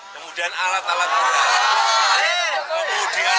kemudian alat alat berat